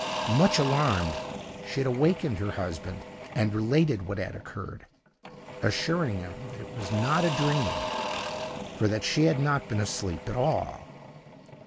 Much alarmed, she had awakened her husband and related what had occurred, assuring him that it was not a dream, for that she had not been asleep at all.